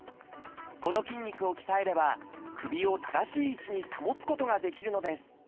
この筋肉を鍛えれば首を正しい位置に保つことができるのです